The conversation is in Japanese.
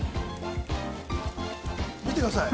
見てください。